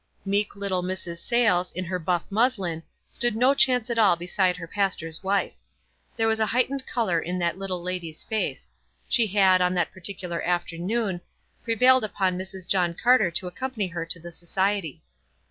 Meek little Mrs. Sayles, in her buff muslin, stood no chance at all beside her pastor's wife. There was a height ened color in that little lady's face. She had, 40 WISE AND OTHERWISE. on that particular afternoon, prevailed upon Mrs. John Carter to accompany her to the so ciety.